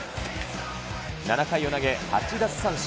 ７回を投げ８奪三振。